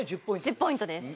１０ポイントです。